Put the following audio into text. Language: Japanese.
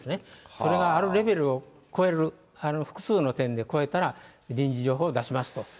それがあるレベルを超える、複数の点で超えたら、臨時情報を出しますと。